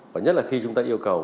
và nhất là khi chúng ta yêu cầu